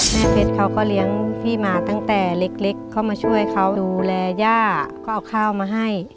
แม่เพชรเขาก็เลี้ยงพี่มาตั้งแต่เล็กเข้ามาช่วยเขาดูแลย่าก็เอาข้าวมาให้